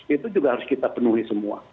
itu juga harus kita penuhi semua